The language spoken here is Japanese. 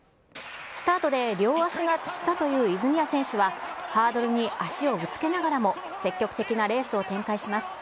スタートで両足がつったという泉谷選手は、ハードルに足をぶつけながらも、積極的なレースを展開します。